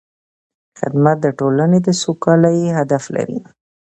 خدمت د ټولنې د سوکالۍ هدف لري.